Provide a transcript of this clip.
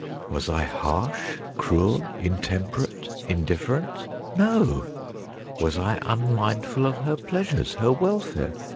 Was I harsh, cruel, intemperate, indifferent ? No! Was I unmindful of her pleasures, her welfare